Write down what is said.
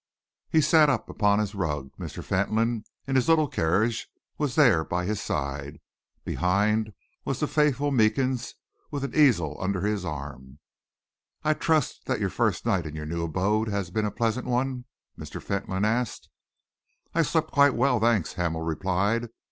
He sat up upon his rug. Mr. Fentolin, in his little carriage, was there by his side. Behind was the faithful Meekins, with an easel under his arm. "I trust that your first night in your new abode has been a pleasant one?" Mr. Fentolin asked. "I slept quite well, thanks," Hamel replied.